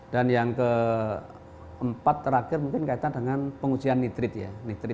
dan yang keempat terakhir mungkin kaitan dengan pengujian nitrit ya